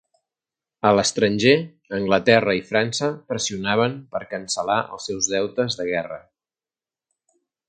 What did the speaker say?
A l'estranger, Anglaterra i França pressionaven per cancel·lar els seus deutes de guerra.